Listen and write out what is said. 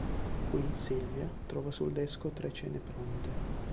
Qui, Sylvia trova sul desco tre cene pronte.